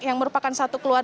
yang merupakan satu keluarga